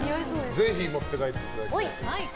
ぜひ持って帰っていただきたいと思います。